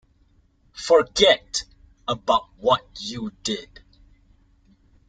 Forget about what you did.